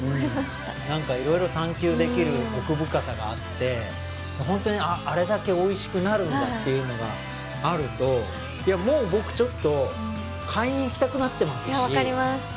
うん何か色々探求できる奥深さがあってホントにあれだけおいしくなるんだっていうのがあるともう僕ちょっと買いに行きたくなってますしいや分かります